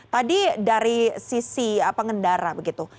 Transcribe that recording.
tadi dari sisi pengendara begitu